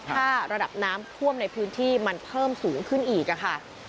ถ้าระดับน้ำท่วมในพื้นที่มันเพิ่มสูงขึ้นอีกค่ะ